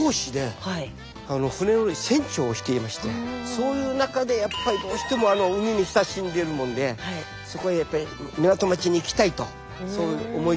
そういう中でやっぱりどうしても海に親しんでるもんでそこへやっぱり港町に行きたいとそう思いつつ。